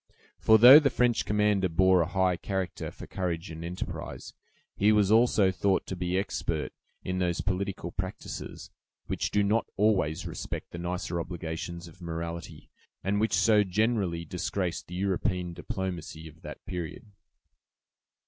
For though the French commander bore a high character for courage and enterprise, he was also thought to be expert in those political practises which do not always respect the nicer obligations of morality, and which so generally disgraced the European diplomacy of that period.